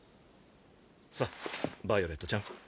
さぁヴァイオレットちゃん。